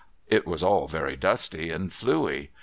It was all very dusty and fluey.